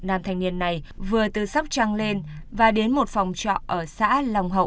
nam thanh niên này vừa từ sóc trăng lên và đến một phòng trọ ở xã long hậu